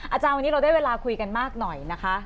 อาจารย์วันนี้เราได้เวลาคุยกันมากหน่อยนะคะ